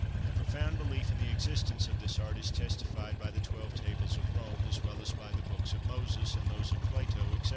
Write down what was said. The profound belief in the existence of this art is testified by the twelve tables of Rome, as well as by the books of Moses, and those of Plato, &c.